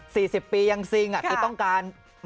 สี่สิบปียังซิ่งคือต้องการ